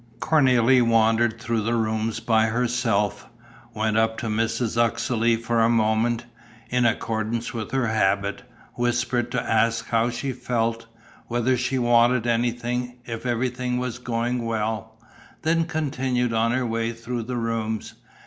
Cornélie wandered through the rooms by herself, went up to Mrs. Uxeley for a moment, in accordance with her habit, whispered to ask how she felt, whether she wanted anything, if everything was going well, then continued on her way through the rooms.